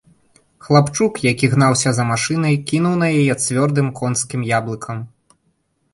Хлапчук, які гнаўся за машынай, кінуў на яе цвёрдым конскім яблыкам.